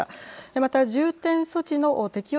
また重点措置の適用